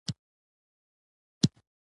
د نیک عمل پایله تل د الله رضا ده.